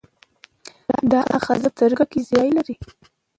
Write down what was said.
دا آخذه په سترګه کې ځای لري.